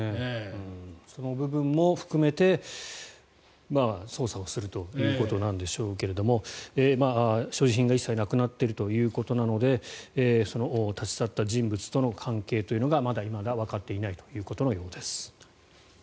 その部分も含めて捜査をするということでしょうけど所持品が一切なくなっているということなのでその立ち去った人物との関係というのがまだ、いまだわかっていないということのようです。